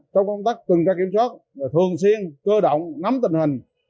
trong công tác tuần tra kiểm soát thường xuyên cơ động nắm tình hình